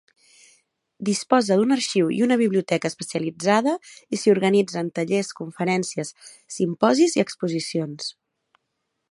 Disposa d’un arxiu i una biblioteca especialitzada i s’hi organitzen tallers, conferències, simposis i exposicions.